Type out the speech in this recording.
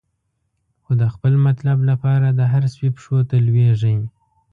خو د خپل مطلب لپاره، د هر سپی پښو ته لویږی